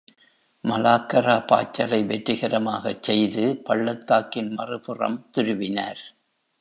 மலாக்கரா பாய்ச்சலை வெற்றிகரமாக செய்து, பள்ளத்தாக்கின் மறுபுறம் துருவினார்.